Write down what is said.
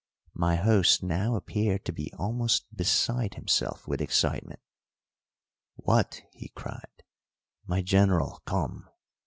My host now appeared to be almost beside himself with excitement. "What," he cried, "my General come!